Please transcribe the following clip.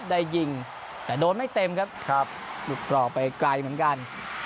ได้ยิงแต่โดนไม่เต็มครับหลุดกรอกไปไกลเหมือนกัน